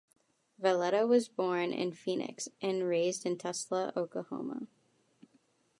Valletta was born in Phoenix and raised in Tulsa, Oklahoma.